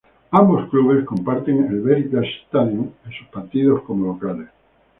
Ambos clubes comparten el Veritas Stadion en sus partidos como locales.